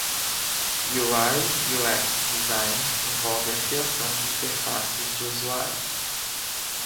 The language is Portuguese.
UI/UX Design envolve a criação de interfaces de usuário.